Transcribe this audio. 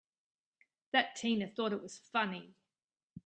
That Tina thought it was funny!